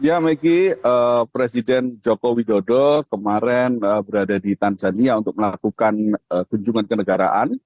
ya maggi presiden jokowi dodo kemarin berada di tanzania untuk melakukan kunjungan ke negaraan